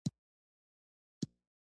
په کوم څه چې پوهېږئ هماغه کوئ دا ښه لار ده.